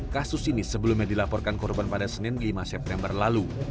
kasus ini sebelumnya dilaporkan korban pada senin lima september lalu